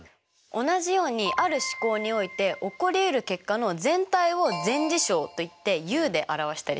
同じようにある試行において起こりうる結果の全体を全事象といってＵで表したりします。